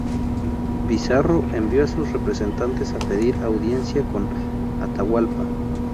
Pizarro envió a sus representantes a pedir audiencia con Atahualpa.